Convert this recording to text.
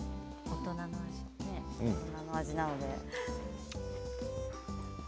大人の味なので。